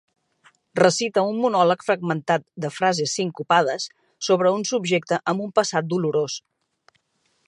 Recita un monòleg fragmentat de frases sincopades sobre un subjecte amb un passat dolorós.